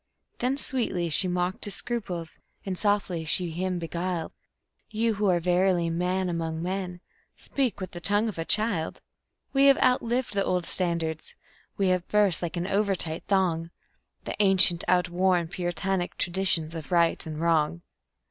Then sweetly she mocked his scruples, and softly she him beguiled: "You, who are verily man among men, speak with the tongue of a child. We have outlived the old standards; we have burst, like an over tight thong, The ancient, outworn, Puritanic traditions of Right and Wrong."